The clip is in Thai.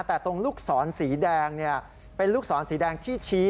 แต่ตรงลูกศรสีแดงเป็นลูกศรสีแดงที่ชี้